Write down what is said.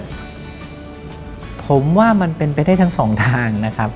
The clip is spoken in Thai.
อเรนนี่ผมว่ามันเป็นไปได้ทั้ง๒ทางนะครับ